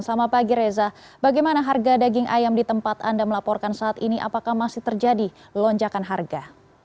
selamat pagi reza bagaimana harga daging ayam di tempat anda melaporkan saat ini apakah masih terjadi lonjakan harga